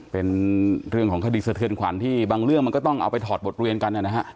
เป็นเรื่องของคดีสะเทือนขวัญที่บางเรื่องมันก็ต้องเอาไปถอดบทเรียนกันนะฮะ